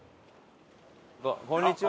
こんにちは。